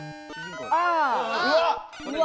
うわ！